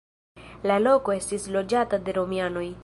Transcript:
La loko estis loĝata de romianoj.